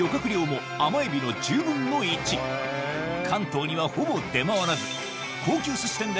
関東にはほぼ出回らず激